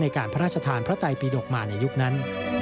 ในการพระราชทานพระไตปีดกมาในยุคนั้น